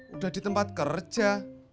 udah di tempat kerja